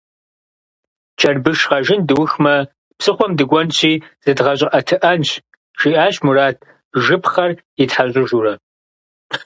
«Чэрбыш гъэжын дыухымэ, псыхъуэм дыкӏуэнщи зыдгъэщӏыӏэтыӏэнщ», жиӏащ Мурат, жыпхъэр итхьэщыжурэ.